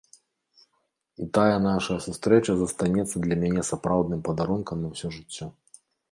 І тая нашая сустрэча застанецца для мяне сапраўдным падарункам на ўсё жыццё.